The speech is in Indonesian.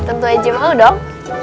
tentu aja mau dong